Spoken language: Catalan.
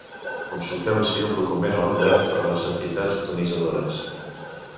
Consulteu ací el document elaborat per les entitats organitzadores.